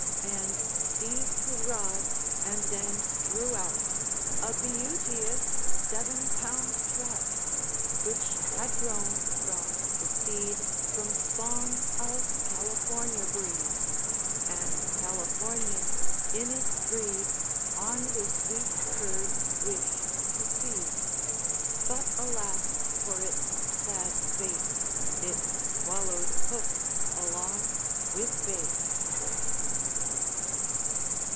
And seized his rod and then drew out A beauteous seven pound trout, Which had grown from the seed From spawn of California breed. And Californian in its greed, On the sweet curd wished to feed; But, alas, for it's sad fate, It swallowed hook along with bait.